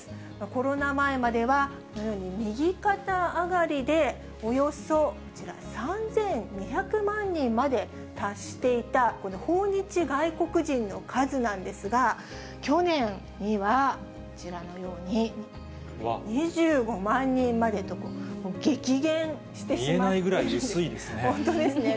コロナ前まではこのように右肩上がりでおよそ、こちら、３２００万人まで達していたこの訪日外国人の数なんですが、去年には、こちらのように２５万人までと、見えないぐらい薄いですね。